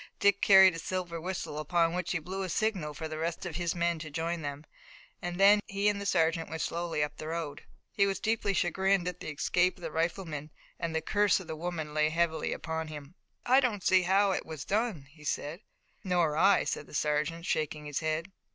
Dick carried a silver whistle, upon which he blew a signal for the rest of his men to join them, and then he and the sergeant went slowly up the road. He was deeply chagrined at the escape of the rifleman, and the curse of the woman lay heavily upon him. "I don't see how it was done," he said. "Nor I," said the sergeant, shaking his head.